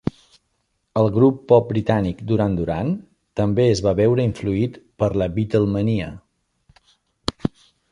El grup pop britànic Duran Duran també es va veure influït per la Beatlemania.